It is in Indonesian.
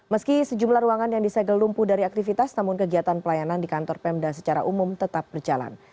meski sejumlah ruangan yang disegel lumpuh dari aktivitas namun kegiatan pelayanan di kantor pemda secara umum tetap berjalan